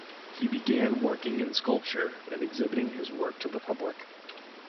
He began working in sculpture, and exhibiting his work to the public.